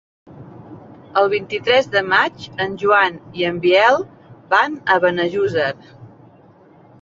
El vint-i-tres de maig en Joan i en Biel van a Benejússer.